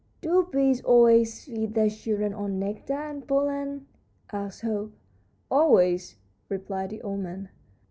"Do bees always feed their children on nectar and pollen?" asked Hope. "Always," replied the old man.